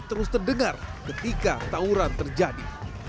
terus terdengar ketika tawuran terjadi